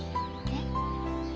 えっ？